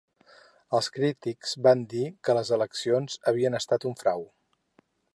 Els crítics van dir que les eleccions havien estat un frau.